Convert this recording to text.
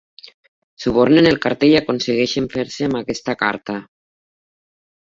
Subornen el carter i aconsegueixen fer-se amb aquesta carta.